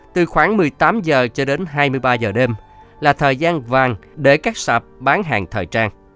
từ khoảng một mươi tám h cho đến hai mươi ba giờ đêm là thời gian vàng để các sạp bán hàng thời trang